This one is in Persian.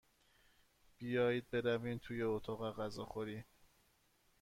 بیایید برویم توی اتاق غذاخوری.